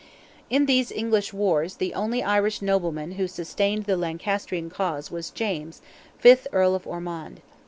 In these English wars, the only Irish nobleman who sustained the Lancasterian cause was James, fifth Earl of Ormond.